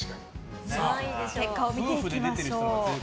結果を見ていきましょう。